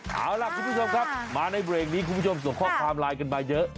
เอาล่ะคุณผู้ชมครับมาในเบรกนี้คุณผู้ชมส่งข้อความไลน์กันมาเยอะ